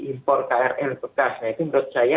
impor krl bekas nah itu menurut saya